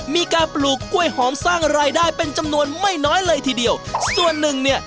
ปลูกกล้วยหอมสร้างรายได้เป็นจำนวนไม่น้อยเลยทีเดียวส่วนหนึ่งเนี่ย